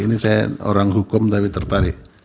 ini saya orang hukum tapi tertarik